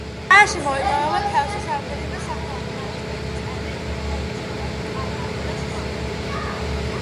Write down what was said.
ტბაში მოიპოვება თევზის რამდენიმე სახეობა, მათ შორის: წერი, ქორჭილა, კალმახი და სხვა.